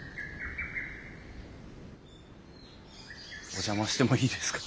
お邪魔してもいいですか？